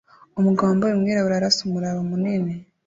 Umugabo wambaye umwirabura arasa umuraba munini